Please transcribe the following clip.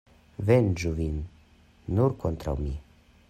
Venĝu vin nur kontraŭ mi.